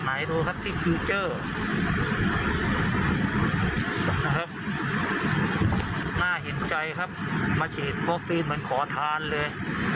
เจอนะครับน่าเห็นใจครับมาฉีดวัคซีนเหมือนขอทานเลย